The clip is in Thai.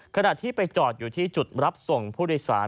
ขณะที่ไปจอดอยู่ที่จุดรับส่งผู้โดยสาร